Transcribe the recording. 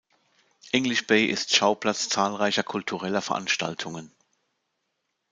English Bay ist Schauplatz zahlreicher kultureller Veranstaltungen.